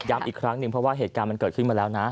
อีกครั้งหนึ่งเพราะว่าเหตุการณ์มันเกิดขึ้นมาแล้วนะ